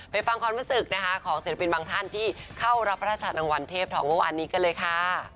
ฟังความรู้สึกนะคะของศิลปินบางท่านที่เข้ารับพระราชนางวันเทพทองเมื่อวานนี้กันเลยค่ะ